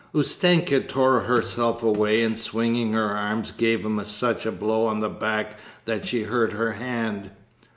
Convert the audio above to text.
Ustenka tore herself away, and swinging her arm gave him such a blow on the back that she hurt her hand.